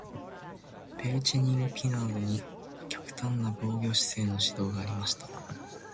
ベウチェミン・ピナードに極端な防御姿勢の指導がありました。